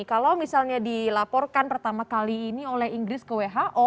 kalau misalnya dilaporkan pertama kali ini oleh inggris ke who